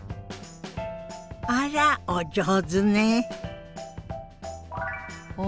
あらお上手ね。